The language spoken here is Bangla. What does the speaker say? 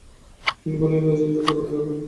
তিনি বনেলী রাজ-এস্টেটে কয়েকদিন চাকরি করেন।